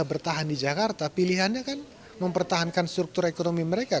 bertahan di jakarta pilihannya kan mempertahankan struktur ekonomi mereka